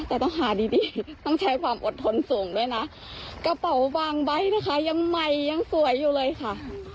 แต่ต้องหาดีดีต้องใช้ความอดทนสูงด้วยนะกระเป๋าวางใบนะคะยังใหม่ยังสวยอยู่เลยค่ะ